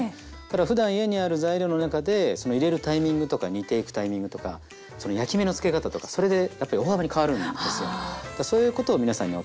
ふだん家にある材料の中で入れるタイミングとか煮ていくタイミングとか焼き目のつけ方とかそれでやっぱり大幅に変わるんですよ。